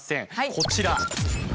こちら。